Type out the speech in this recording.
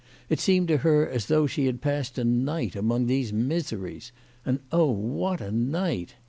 It seemed to her as though she had passed a night among these miseries. And, oh, what a night